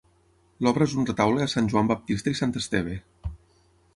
L'obra és un retaule a Sant Joan Baptista i sant Esteve.